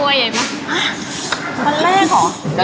วันแรกเหรอ